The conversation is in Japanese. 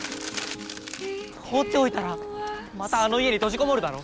放っておいたらまたあの家に閉じこもるだろ。